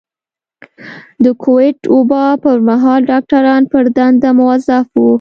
د کوويډ وبا پر مهال ډاکټران پر دندو مؤظف وو.